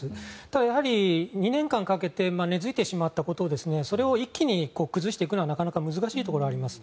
ただ、２年間かけて根付いてしまったことそれを一気に崩していくのはなかなか難しいところがあります。